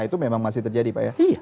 itu memang masih terjadi pak ya